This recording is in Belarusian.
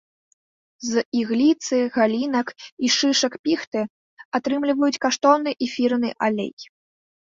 З ігліцы, галінак і шышак піхты атрымліваюць каштоўны эфірны алей.